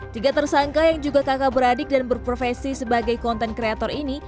tiga tersangka yang juga kakak beradik dan berprofesi sebagai konten kreator ini